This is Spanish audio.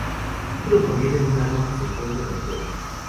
El título proviene de un arma que se encuentra en el juego.